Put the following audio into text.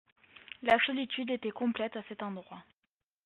La solitude était complète à cet endroit.